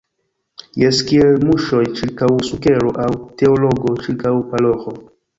Jes, kiel muŝoj ĉirkaŭ sukero aŭ teologo ĉirkaŭ paroĥo!